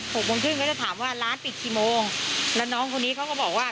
โมงครึ่งก็จะถามว่าร้านปิดกี่โมงแล้วน้องคนนี้เขาก็บอกว่า